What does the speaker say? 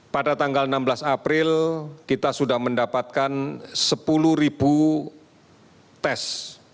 pada tanggal enam belas april kita sudah mendapatkan sepuluh tes